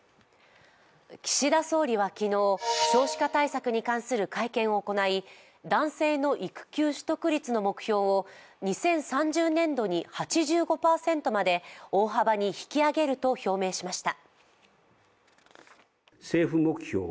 岸田総理は昨日、少子化対策に関する会見を行い男性の育休取得率の目標を２０３０年度に８５％まで大幅に引き上げると表明しました。